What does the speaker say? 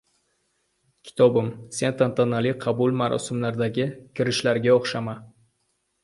Kitobim, sen tantanali qabul marosimlaridagi kishilarga o‘xshama.